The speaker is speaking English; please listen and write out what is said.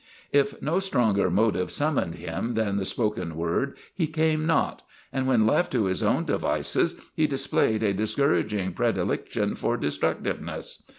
If no stronger motive summoned him than the spoken word he came not, and when left to his own devices he displayed a discouraging predilection for destructiveness.